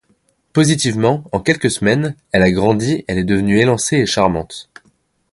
Positivement, en quelques semaines, elle a grandi, elle est devenue élancée et charmante.